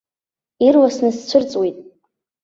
Ирласны сцәырҵуеит.